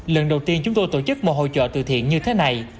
lần đầu tiên chúng tôi tổ chức một hội trợ từ thiện như thế này